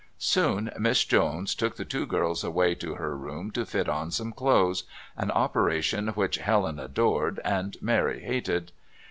Soon Miss Jones took the two girls away to her room to fit on some clothes, an operation which Helen adored and Mary hated.